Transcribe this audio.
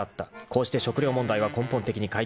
［こうして食糧問題は根本的に解決した］